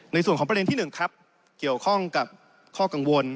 ในส่วนของประเด็นที่๑ครับเกี่ยวข้องกับข้อกังวล